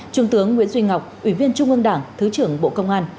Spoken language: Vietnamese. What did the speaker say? trung tướng nguyễn duy ngọc ủy viên trung ương đảng thứ trưởng bộ công an